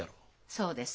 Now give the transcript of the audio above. そうです。